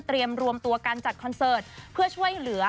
รวมตัวกันจัดคอนเสิร์ตเพื่อช่วยเหลือ